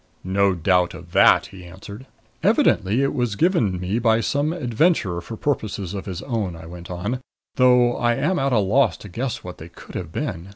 "No doubt of that," he answered. "Evidently it was given me by some adventurer for purposes of his own," I went on; "though I am at a loss to guess what they could have been."